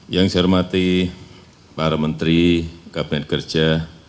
yang saya hormati para menteri kabinet kerja